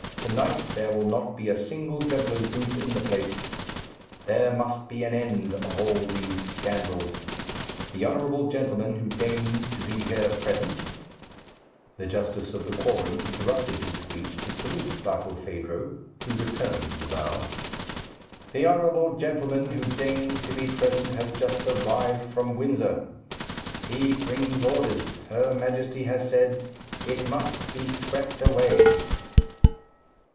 To night there will not be a single juggler's booth in the place. There must be an end of all these scandals. The honourable gentleman who deigns to be here present " The justice of the quorum interrupted his speech to salute Barkilphedro, who returned the bow. "The honourable gentleman who deigns to be present has just arrived from Windsor. He brings orders. Her Majesty has said, 'It must be swept away.'"